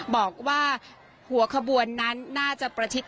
บอกว่าหัวขบวนนั้นน่าจะประชิด